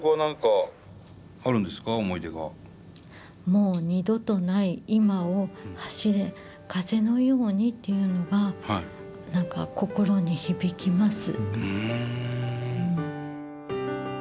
「もう二度とない“今”を走れ」「風のように」というのが何か心に響きます。